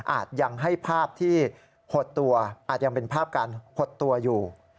อาจยังให้ภาพที่หดตัวอาจยังเป็นภาพการหดตัวอยู่